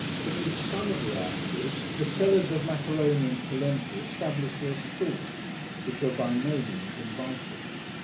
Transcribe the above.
Beneath some of the arches, the sellers of macaroni and polenta establish their stalls, which are by no means inviting.